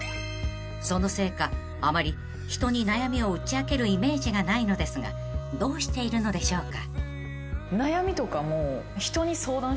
［そのせいかあまり人に悩みを打ち明けるイメージがないのですがどうしているのでしょうか］